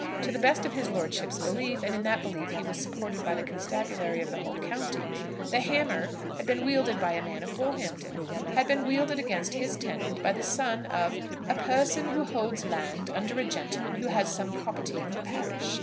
To the best of his lordship's belief, and in that belief he was supported by the constabulary of the whole county, the hammer had been wielded by a man of Bullhampton, had been wielded against his tenant by the son of "a person who holds land under a gentleman who has some property in the parish."